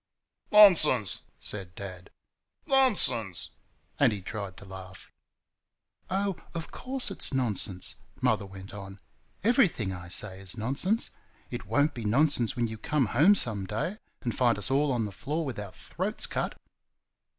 "Nonsense!" said Dad; "NONSENSE!" and he tried to laugh. "Oh, of course it's NONSENSE," Mother went on; "everything I say is nonsense. It won't be nonsense when you come home some day and find us all on the floor with our throats cut."